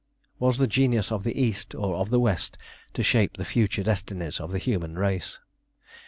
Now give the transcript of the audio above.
Was the genius of the East or of the West to shape the future destinies of the human race?